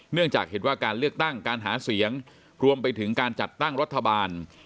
เนื่องจากเห็นว่าการเลือกตั้งการหาเสียงรวมไปถึงการจัดตั้งรัฐบาล